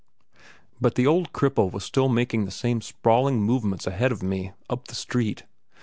But the old cripple was still making the same sprawling movements ahead of me up the street.